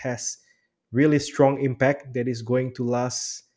ini memiliki impact yang sangat kuat